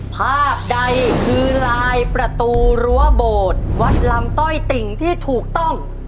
ภาพใดคือลายประตูรั้วโบสถ์วัดลำต้อยติ่งที่ถูกต้อง